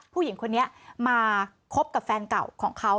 ผู้หญิงคนนี้มาคบกับแฟนเก่าของเขา